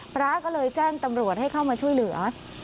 พระก็เลยแจ้งตำรวจให้เข้ามาช่วยเหลือ